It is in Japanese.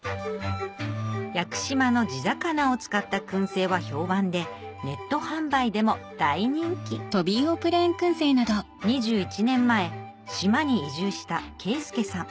屋久島の地魚を使った燻製は評判でネット販売でも大人気２１年前島に移住した啓介さん